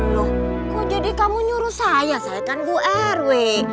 loh kok jadi kamu nyuruh saya saya kan bu r weh